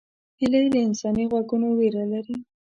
هیلۍ له انساني غږونو ویره لري